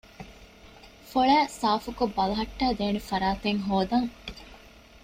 ފޮޅައި ސާފުކޮށް ބަލަހައްޓައިދޭނެ ފަރާތެއް ހޯދަން